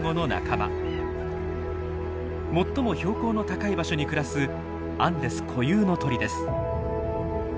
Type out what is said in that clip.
最も標高の高い場所に暮らすアンデス固有の鳥です。